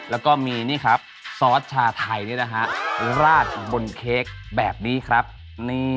แล้วก็มีนี่ครับซอสชาไทยนี่นะฮะราดบนเค้กแบบนี้ครับ